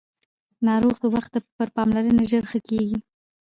ناروغ د وخت پر پاملرنې ژر ښه کېږي